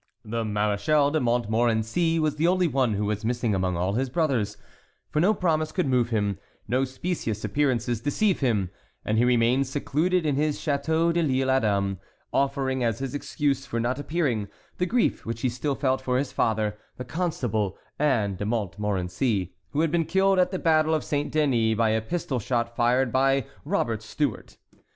The Maréchal de Montmorency was the only one who was missing among all his brothers, for no promise could move him, no specious appearances deceive him, and he remained secluded in his château de l'Isle Adam, offering as his excuse for not appearing the grief which he still felt for his father, the Constable Anne de Montmorency, who had been killed at the battle of Saint Denis by a pistol shot fired by Robert Stuart.